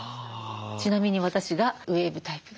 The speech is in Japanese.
ちなみに私がウエーブタイプです。